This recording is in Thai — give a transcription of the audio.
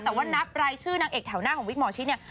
แต่ว่านับรายชื่อนางเอกแถวหน้าของวิกหมอชิดเนี่ย